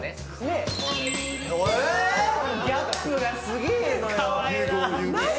・ギャップがすげえのよ